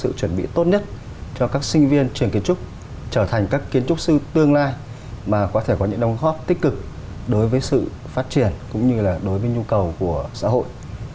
sự chuẩn bị tốt nhất cho các sinh viên trường kiến trúc trở thành các kiến trúc sư tương lai mà có thể có những đồng góp tích cực đối với sự phát triển cũng như là đối với nhu cầu của xã hội